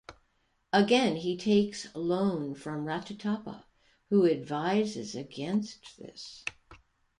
Again he takes loan from Rachutappa who advises against this.